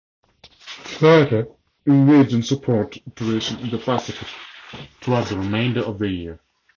"Slater" engaged in support operations in the Pacific through the remainder of the year.